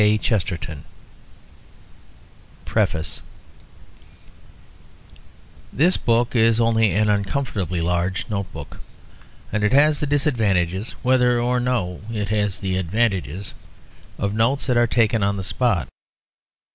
K. CHESTERTON PREFACE This book is only an uncomfortably large note book; and it has the disadvantages, whether or no it has the advantages, of notes that were taken on the spot.